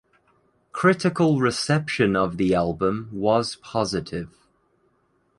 Critical reception of the album was positive.